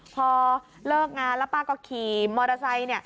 พอเลิกงานแล้วป้าก็ขี่มอเตอร์ไซค์